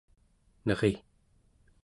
neri